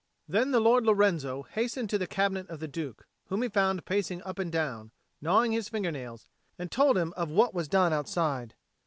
Then the lord Lorenzo hastened to the cabinet of the Duke, whom he found pacing up and down, gnawing his finger nails, and told him of what was done outside.